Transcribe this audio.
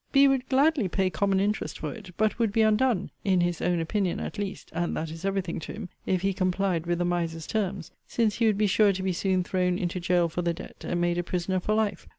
B would gladly pay common interest for it; but would be undone, (in his own opinion at least, and that is every thing to him,) if he complied with the miser's terms; since he would be sure to be soon thrown into gaol for the debt, and made a prisoner for life.